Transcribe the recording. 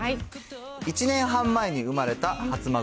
１年半前に生まれた初孫。